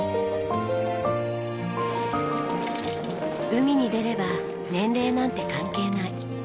海に出れば年齢なんて関係ない。